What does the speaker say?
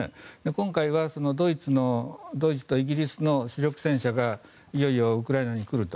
今回はドイツとイギリスの主力戦車がいよいよウクライナに来ると。